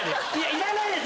いらないです